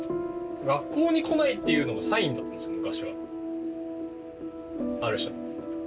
学校に来ないっていうのがサインだったんです昔はある種。